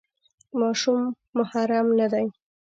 ماشوم محرم نه دی.